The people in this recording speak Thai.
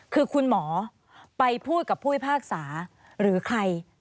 คือคุณหมอไปพูดกับผู้พิพากษาหรือใคร